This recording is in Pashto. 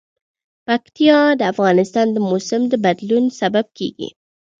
پکتیکا د افغانستان د موسم د بدلون سبب کېږي.